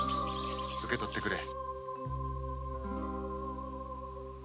受け取ってくれ。